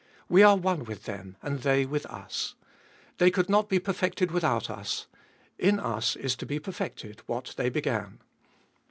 We are one with them and they with us. They could not be perfected without us ; in us is to be perfected what they began.